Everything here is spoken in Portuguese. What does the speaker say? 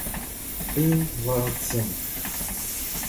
invasão